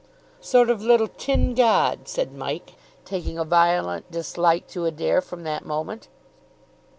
"Sort of little tin god," said Mike, taking a violent dislike to Adair from that moment.